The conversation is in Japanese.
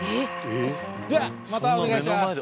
じゃあまたお願いします。